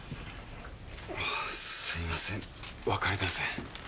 すいませんわかりません。